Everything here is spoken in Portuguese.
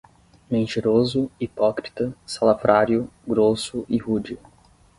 Mentiroso, hipócrita, salafrário, grosso e rude